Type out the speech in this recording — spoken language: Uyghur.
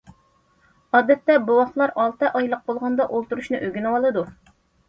ئادەتتە بوۋاقلار ئالتە ئايلىق بولغاندا ئولتۇرۇشنى ئۆگىنىۋالىدۇ.